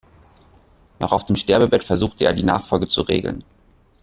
Noch auf dem Sterbebett versuchte er, die Nachfolge zu regeln.